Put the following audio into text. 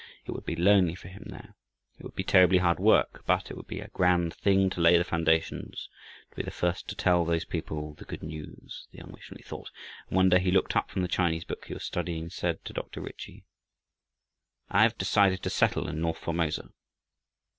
It would be lonely for him there, it would be terribly hard work, but it would be a grand Thing to lay the foundations, to be the first to tell those people the "good news," the young missionary thought. And, one day, he looked up from the Chinese book he was studying and said to Dr. Ritchie: "I have decided to settle in north Formosa."